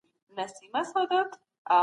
په سياست کي رياضيکي دقت شتون نلري.